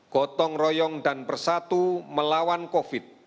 gotong royong dan bersatu melawan covid sembilan belas